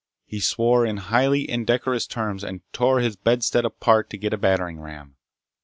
He swore in highly indecorous terms, and tore his bedstead apart to get a battering ram.